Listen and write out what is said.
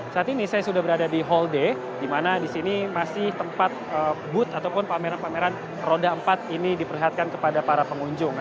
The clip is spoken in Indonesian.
saat ini saya sudah berada di hall d di mana di sini masih tempat booth ataupun pameran pameran roda empat ini diperlihatkan kepada para pengunjung